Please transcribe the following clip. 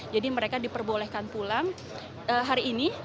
jadi mereka diperbolehkan pulang hari ini